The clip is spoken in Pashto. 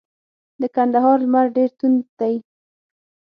د کندهار لمر ډیر توند دی.